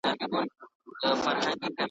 زه به نه یم ستا په لار کي به مي پل وي .